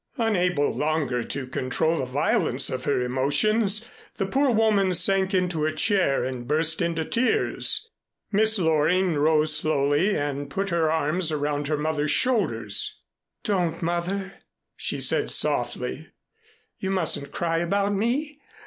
Unable longer to control the violence of her emotions, the poor woman sank into a chair and burst into tears. Miss Loring rose slowly and put her arms around her mother's shoulders. "Don't, Mother!" she said softly. "You mustn't cry about me.